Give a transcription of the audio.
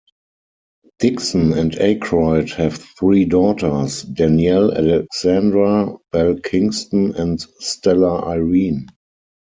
Dixon and Aykroyd have three daughters: Danielle Alexandra, Belle Kingston and Stella Irene.